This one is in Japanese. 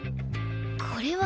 これは。